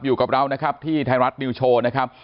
อยู่กับเรานะครับที่ไทยรัฐนิวโชว์นะครับ